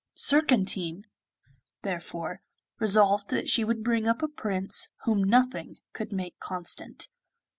Surcantine, therefore, resolved that she would bring up a Prince whom nothing could make constant.